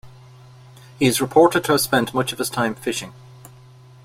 He is reported to have spent much of his time fishing.